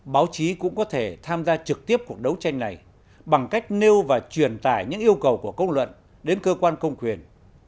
báo chí cũng có thể tham gia trực tiếp cuộc đấu tranh này bằng cách nêu và truyền tải những yêu cầu của công luận đến cơ quan công quyền